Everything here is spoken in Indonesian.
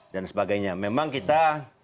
dan sebagainya memang kita